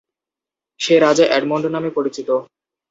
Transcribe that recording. সে রাজা এডমন্ড নামে পরিচিত।